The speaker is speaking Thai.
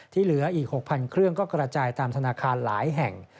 เหลืออีก๖๐๐๐เครื่องก็กระจายตามธนาคารหลายแห่ง